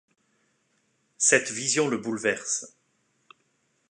Cette vision le bouleverse.